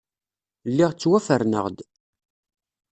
Lliɣ ttwaferneɣ-d.